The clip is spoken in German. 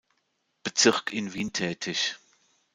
Bezirk in Wien tätig.